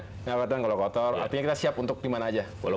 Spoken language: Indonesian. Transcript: tidak kelihatan kalau kotor tapi kita siap untuk dimana saja